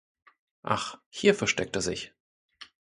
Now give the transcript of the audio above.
Ach hier versteckt er sich.